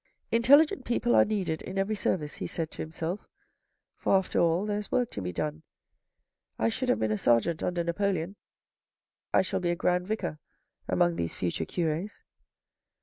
" Intelligent people are needed in every service," he said to himself, " for, after all, there is work to be done. I should have been a sergeant under Napoleon. I shall be a grand vicar among these future cures."